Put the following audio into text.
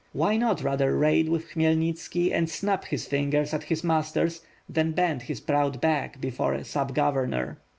Why not rather raid with Khmyelnitski and snap his fingers at his masters, than bend his proud back before a sub governor.